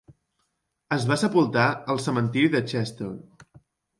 Es va sepultar al cementiri de Chester.